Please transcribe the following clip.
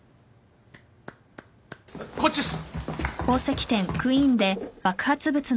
こっちです！